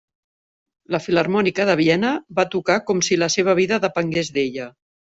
La Filharmònica de Viena va tocar com si la seva vida depengués d'ella.